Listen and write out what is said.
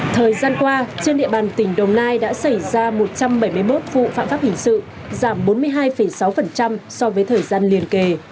thời gian qua trên địa bàn tỉnh đồng nai đã xảy ra một trăm bảy mươi một vụ phạm pháp hình sự giảm bốn mươi hai sáu so với thời gian liền kề